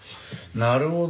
なるほど。